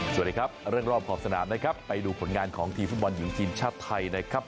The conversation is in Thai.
สวัสดีครับเรื่องรอบของสนามไปดูผลงานของทีมชาติไทย